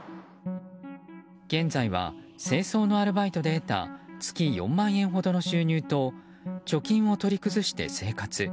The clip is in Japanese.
現在は清掃のアルバイトで得た月４万円ほどの収入と貯金を取り崩して生活。